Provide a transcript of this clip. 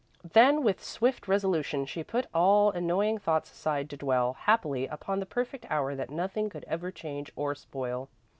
Then, with swift resolution, she put all annoying thoughts aside to dwell, happily, upon the perfect hour that nothing could ever change or spoil.